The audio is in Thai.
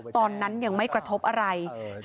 ตอนนั้นยังไม่กระทบอะไร